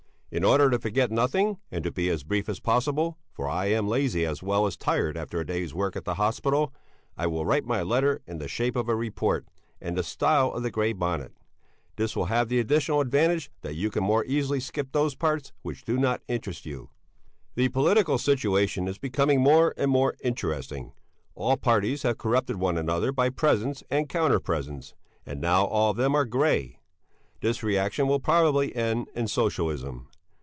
In order to forget nothing, and to be as brief as possible for I am lazy as well as tired after a day's work at the hospital I will write my letter in the shape of a report and the style of the GREY BONNET; this will have the additional advantage that you can more easily skip those parts which do not interest you. The political situation is becoming more and more interesting; all parties have corrupted one another by presents and counter presents, and now all of them are grey. This reaction will probably end in Socialism.